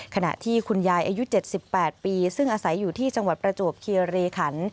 ขณะที่คุณยายอายุ๗๘ปีซึ่งอาศัยอยู่ที่จังหวัดประจวบคีรีขัน